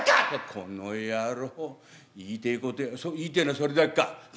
「この野郎言いてえことを言いてえのはそれだけか」。